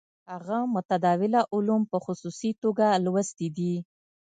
هغه متداوله علوم په خصوصي توګه لوستي دي.